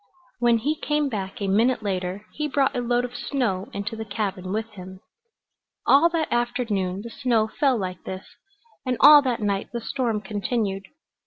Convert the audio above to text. When he came back a minute later he brought a load of snow into the cabin with him. All that afternoon the snow fell like this, and all that night the storm continued.